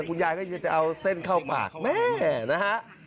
คุณยายก็ยังจะเอาเส้นเข้าปากแม่นะฮะ